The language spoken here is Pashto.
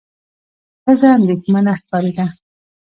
ښځه اندېښمنه ښکارېده.